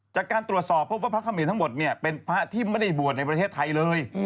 จากการตรวจสอบพบว่าพระเขมรทั้งหมดเนี่ยเป็นพระที่ไม่ได้บวชในประเทศไทยเลย